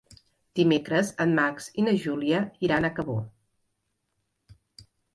Dimecres en Max i na Júlia iran a Cabó.